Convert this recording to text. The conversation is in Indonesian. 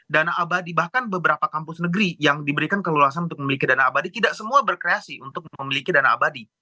dana abadi bahkan beberapa kampus negeri yang diberikan keluasan untuk memiliki dana abadi tidak semua berkreasi untuk memiliki dana abadi